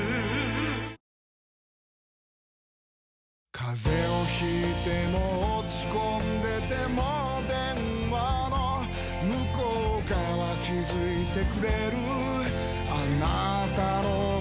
風邪を引いても落ち込んでても電話の向こう側気付いてくれるあなたの声